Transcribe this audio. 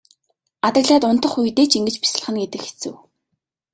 Адаглаад унтах үедээ ч ингэж бясалгана гэдэг хэцүү.